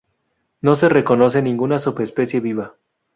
No se reconoce ninguna subespecie viva.